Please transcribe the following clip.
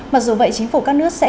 mặc dù vậy chính phủ các nước sẽ